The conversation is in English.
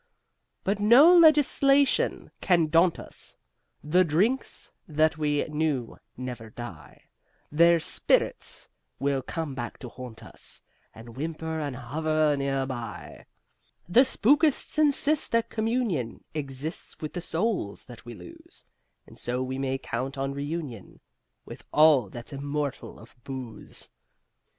But no legislation can daunt us: The drinks that we knew never die: Their spirits will come back to haunt us And whimper and hover near by. The spookists insist that communion Exists with the souls that we lose And so we may count on reunion With all that's immortal of Booze.